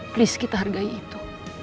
please kita hargai itu